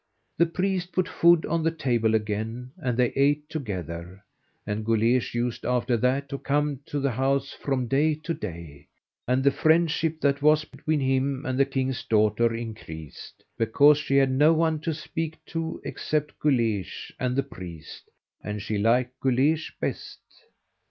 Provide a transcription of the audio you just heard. The priest put food on the table again, and they ate together, and Guleesh used after that to come to the house from day to day, and the friendship that was between him and the king's daughter increased, because she had no one to speak to except Guleesh and the priest, and she liked Guleesh best.